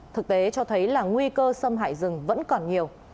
thực tế cho thấy là nguy cơ xâm hại rừng vẫn còn nhiều